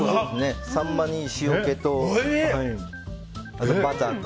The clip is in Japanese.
サンマに塩気とバターと。